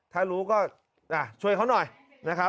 ถ้ารู้ก็ช่วยเขาหน่อยนะครับ